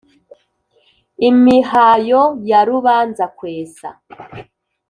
imihayo ya rubanza-kwesa,